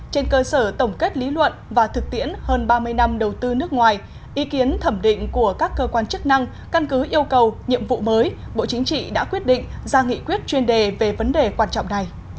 trên cơ sở tổng kết lý luận và thực tiễn hơn ba mươi năm đầu tư nước ngoài ý kiến thẩm định của các cơ quan chức năng căn cứ yêu cầu nhiệm vụ mới bộ chính trị đã quyết định ra nghị quyết chuyên đề về vấn đề quan trọng này